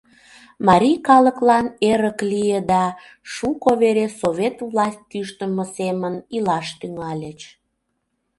Марий калыклан эрык лие да, шуко вере Совет власть кӱштымӧ семын илаш тӱҥальыч...